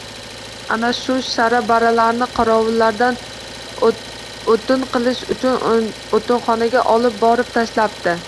Ana shu shara-baralarni qorovullar o‘tin qilish uchun o‘tinxonaga olib borib tashlabdi.